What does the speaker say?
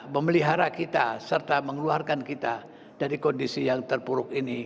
memelihara kita serta mengeluarkan kita dari kondisi yang terpuruk ini